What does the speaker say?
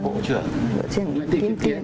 bộ trưởng tiến tiến